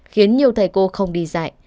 khiến nhiều thầy cô không đi dạy